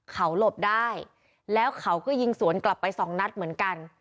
เขาหลบได้แล้วเขาก็ยิงสวนกลับไปสองนัดเหมือนกัน